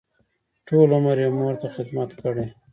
ټول عمر یې مور ته خدمت کړی.